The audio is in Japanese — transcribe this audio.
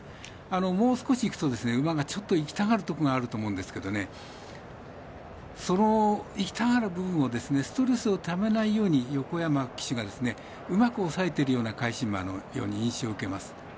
もう少しいくと、馬がちょっといきたがるところがあると思うんですけどその行きたがる部分をストレスをためないように横山騎手がうまく抑えてるような返し馬のように印象を受けます。